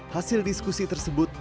hasil diskusi tersebut